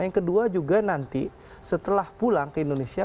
yang kedua juga nanti setelah pulang ke indonesia